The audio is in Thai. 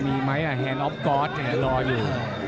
มีไหมแฮนด์ออฟกอร์ดเนี่ยรออยู่